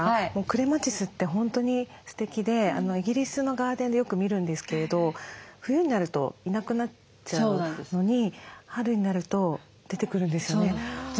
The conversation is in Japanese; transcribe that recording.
クレマチスって本当にすてきでイギリスのガーデンでよく見るんですけれど冬になるといなくなっちゃうのに春になると出てくるんですよね。